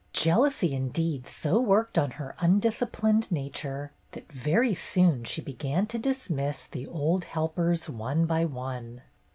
Jealousy, indeed, so worked on her undisciplined nature that very soon she began to dismiss the old helpers one by one.